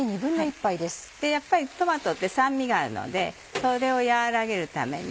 やっぱりトマトって酸味があるのでそれを和らげるために。